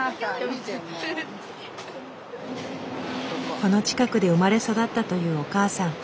この近くで生まれ育ったというお母さん。